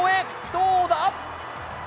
どうだ？